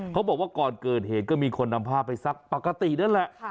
เขาบอกว่าก่อนเกิดเหตุก็มีคนนำผ้าไปซักปกตินั่นแหละ